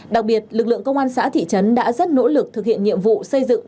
đặc biệt lực lượng công an xã thị trấn đã rất nỗ lực thực hiện nhiệm vụ xây dựng